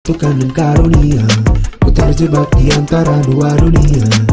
tukang dengkarunia ku terjebak di antara dua dunia